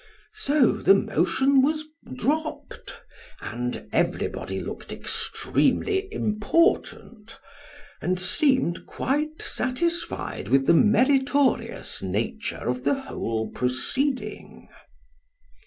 So, the motion was dropped, and everybody looked extremely important, and seemed quite satisfied with the meritorious nature of the whole proceeding.